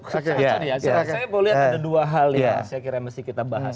saya kira saya mau lihat ada dua hal yang saya kira mesti kita bahas